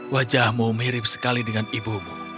wajahmu mirip sekali dengan ibumu